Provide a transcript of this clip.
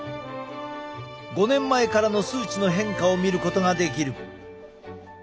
５年前からの数値の変化を見ることができる。